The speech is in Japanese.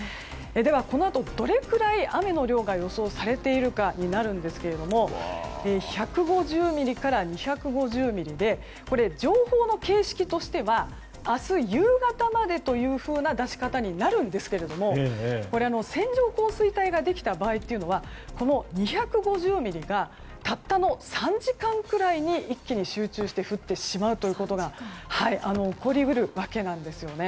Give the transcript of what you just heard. では、このあとどれくらい雨の量が予想されているかになるんですが１５０ミリから２５０ミリでこれ、情報の形式としては明日夕方までという出し方になるんですがこれ、線状降水帯ができた場合っていうのはこの２５０ミリがたったの３時間くらいに一気に集中して降ってしまうということが起こり得るわけなんですね。